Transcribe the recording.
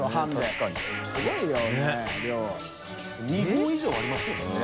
２合以上ありますよね？